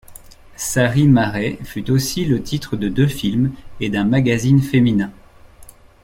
Sarie Marais fut aussi le titre de deux films et d'un magazine féminin.